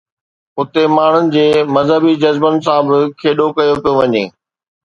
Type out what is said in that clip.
اتي ماڻهن جي مذهبي جذبن سان به کيڏو ڪيو پيو وڃي.